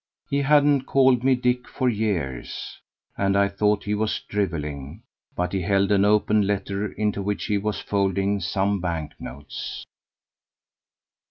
He hadn't called me Dick for years, and I thought he was drivelling, but he held an open letter into which he was folding some banknotes.